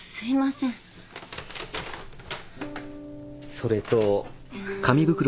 それと。